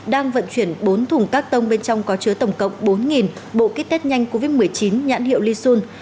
đang vận chuyển bốn thùng các tông bên trong có chứa tổng cộng bốn bộ ký test nhanh covid một mươi chín nhãn hiệu lisun